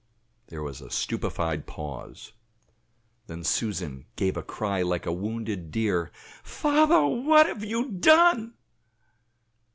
There was a stupefied pause. Then Susan gave a cry like a wounded deer. "Father! what have you done?"